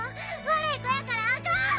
悪い子やからあかん！